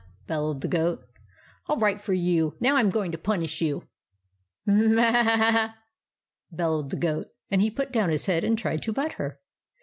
" bellowed the goat. " All right for you !" said Mabel. " Now I 'm going to punish you." " M m a a a !" bellowed the goat, and he put down his head and tried to butt her.